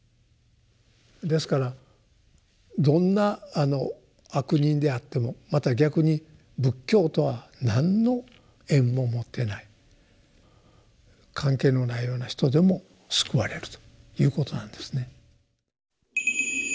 ですからどんな「悪人」であってもまた逆に仏教とは何の縁も持ってない関係のないような人でも救われるということなんですね。